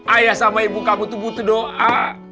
ayah sama ibu kamu tuh butuh doa